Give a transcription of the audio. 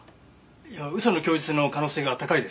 いや嘘の供述の可能性が高いです。